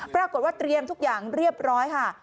ปรากฏว่าเตรียมทุกอย่างเรียบร้อยค่ะ